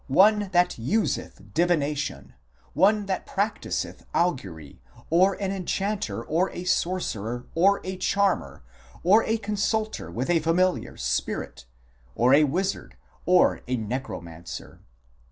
. one that useth divination, one that practiseth augury, or an enchanter, or a sorcerer, or a charmer, or a consulter with a familiar spirit, or a wizard, or a necromancer.